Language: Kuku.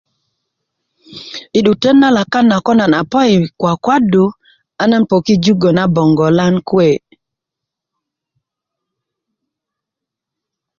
i 'dutet na lakat ko nan a po i kwakwadu a nan poki jugö na bongolan kuwe